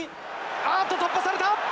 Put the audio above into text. あっと突破された。